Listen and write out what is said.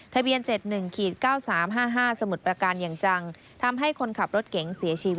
ทะเบียน๗๑๙๓๕๕สมุดประการอย่างจัง